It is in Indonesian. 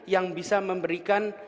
yang bisa memberikan